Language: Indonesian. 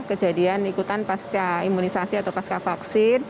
kejadian ikutan pasca imunisasi atau pasca vaksin